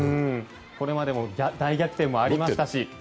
これまでも大逆転もありましたし